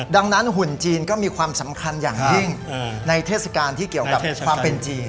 ดังนั้นหุ่นจีนก็มีความสำคัญอย่างยิ่งในเทศกาลที่เกี่ยวกับความเป็นจีน